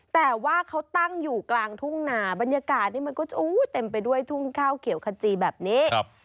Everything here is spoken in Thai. แต่ว่าเขาตั้งอยู่กลางทุ่งนาบรรยากาศนี่มันก็เต็มไปด้วยทุ่งข้าวเขียวขจีแบบนี้